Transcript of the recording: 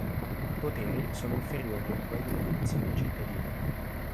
I poteri sono inferiori a quelli del consiglio cittadino.